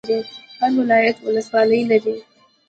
هر ولایت ولسوالۍ لري